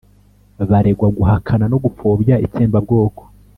baregwa guhakana no gupfobya itsembabwoko,